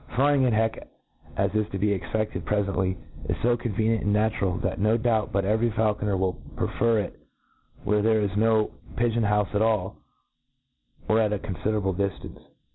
Flying at heck,, as it is to be explained prefently, is fo conveni ent and natural, that no doubt but every faulco ner will prefer it where there is no pigeon houfc at all, or at a confiderable diftance.